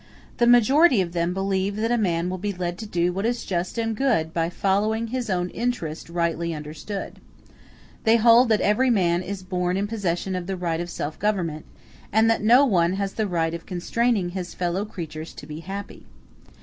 The majority of them believe that a man will be led to do what is just and good by following his own interest rightly understood. They hold that every man is born in possession of the right of self government, and that no one has the right of constraining his fellow creatures to be happy.